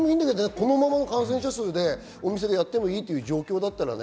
このままの感染者数で、お店でもやってもいいという状況だったらね。